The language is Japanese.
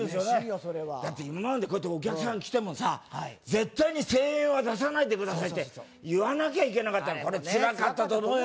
それは今までこうやってお客さん来てもさ絶対に声援は出さないでくださいって言わなきゃいけなかったこれつらかったと思うよ